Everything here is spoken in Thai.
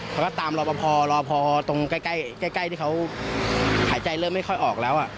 เขาก็ตามรอปภรอพอตรงใกล้ที่เขาหายใจเริ่มไม่ค่อยออกแล้ว